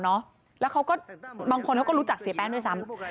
แล้วเขาก็บางคนเขาก็รู้จักเสียแป้งด้วยซ้ำ